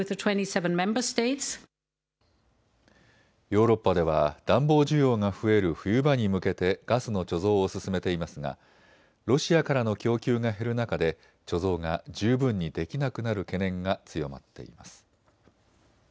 ヨーロッパでは暖房需要が増える冬場に向けてガスの貯蔵を進めていますがロシアからの供給が減る中で貯蔵が十分にできなくなる懸念が強まっています。